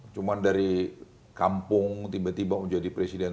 cuma dari kampung tiba tiba menjadi presiden